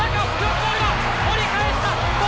折り返した！